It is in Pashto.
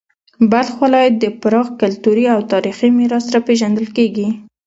بلخ ولایت د پراخ کلتوري او تاریخي میراث سره پیژندل کیږي.